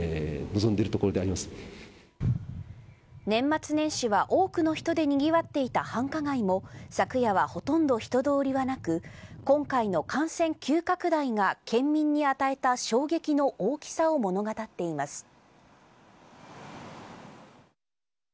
年末年始は、多くの人でにぎわっていた繁華街も昨夜はほとんど人通りはなく今回の感染急拡大が県民に与えた衝撃の大きさを物語っています。